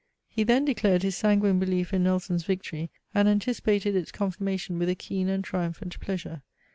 He then declared his sanguine belief in Nelson's victory, and anticipated its confirmation with a keen and triumphant pleasure.